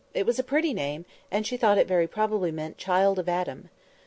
—it was a pretty name, and she thought it very probably meant 'Child of Adam.